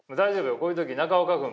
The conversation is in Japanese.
こういう時中岡くん